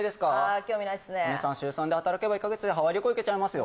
週３で働けば１カ月でハワイ旅行行けちゃいますよ